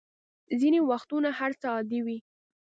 ځینې وختونه هر څه عادي وي.